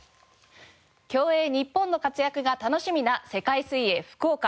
競泳日本の活躍が楽しみな世界水泳福岡。